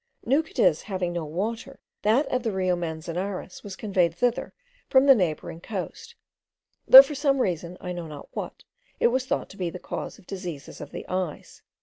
New Cadiz having no water, that of the Rio Manzanares was conveyed thither from the neighbouring coast, though for some reason, I know not what, it was thought to be the cause of diseases of the eyes.